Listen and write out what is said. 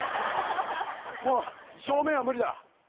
もう正面は無理だ。